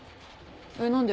えっ何で？